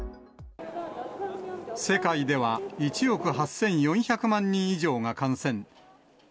世界では１億８４００万人以上が感染。